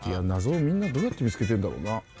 謎をみんなどうやって見つけてんだろうな